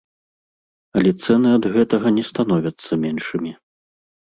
Але цэны ад гэтага не становяцца меншымі.